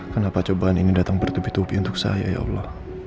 saya ingin datang bertupi tupi untuk saya ya allah